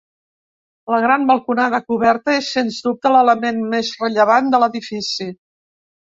La gran balconada coberta és sens dubte l'element més rellevant de l'edifici.